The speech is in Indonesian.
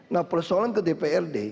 nah persoalan ke dprd